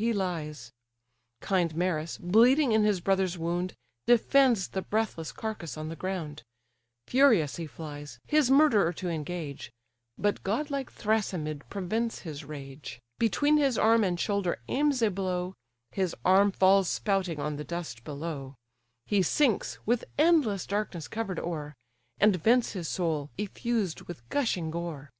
he lies, Kind Maris, bleeding in his brother's wound, Defends the breathless carcase on the ground; Furious he flies, his murderer to engage: But godlike Thrasimed prevents his rage, Between his arm and shoulder aims a blow; His arm falls spouting on the dust below: He sinks, with endless darkness cover'd o'er: And vents his soul, effused with gushing gore.